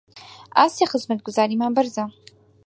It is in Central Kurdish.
ئاستی خزمەتگوزاریمان بەرزە